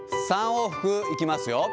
３往復いきますよ。